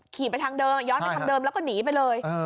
ขี่ไปทางเดิมย้อนไปทางเดิมแล้วก็หนีไปเลย